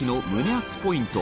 アツポイント